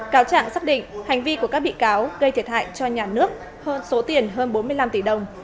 cáo chẳng xác định hành vi của các bị cáo gây thiệt hại cho nhà nước hơn số tiền hơn một tỷ đồng